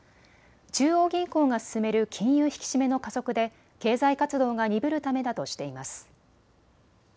中央銀行が進める金融引き締めの加速で経済活動が鈍るためだとしています。